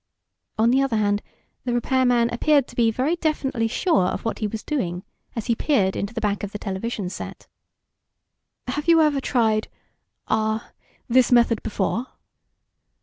On the other hand, the repairman appeared to be very definitely sure of what he was doing, as he peered into the back of the television set. "Have you ever tried ... ah, this method before?"